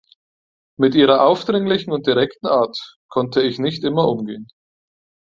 Mit ihrer aufdringlichen und direkten Art konnte ich nicht immer umgehen.